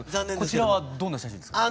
こちらはどんな写真ですか？